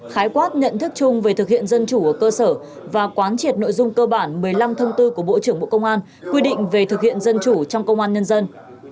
khái quát nhận thức chung về thực hiện dân chủ ở cơ sở và quán triệt nội dung cơ bản một mươi năm thông tư của bộ trưởng bộ công an quy định về thực hiện dân chủ trong công an nhân dân